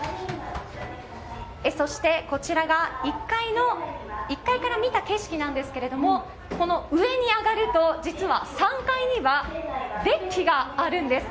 そして、こちらが１階から見た景色なんですがこの上に上がると実は３階にはデッキがあるんです。